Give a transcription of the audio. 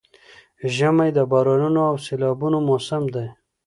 ژمی د بارانونو او سيلابونو موسم دی؛